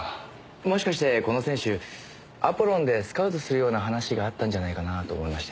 もしかしてこの選手アポロンでスカウトするような話があったんじゃないかなと思いまして。